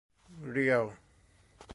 เรียล